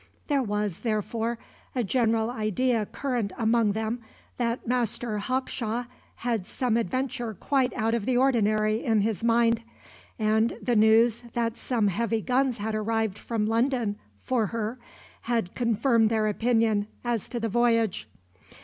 There was, therefore, a general idea current among them that Master Hawkshaw had some adventure quite out of the ordinary in his mind; and the news that some heavy guns had arrived from London for her, had confirmed their opinion as to the voyage.